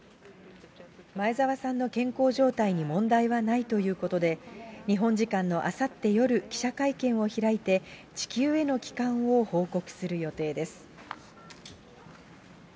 前澤さんの健康状態に問題はないということで、日本時間のあさって夜、記者会見を開いて、地球への帰還を報告する予定です。